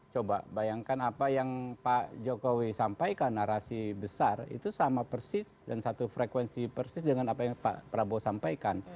coba bayangkan apa yang pak jokowi sampaikan narasi besar itu sama persis dan satu frekuensi persis dengan apa yang pak prabowo sampaikan